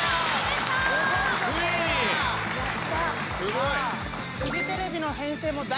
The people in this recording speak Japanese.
すごい。